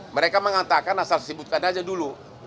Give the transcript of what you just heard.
mereka mengatakan asal sebutkan aja dulu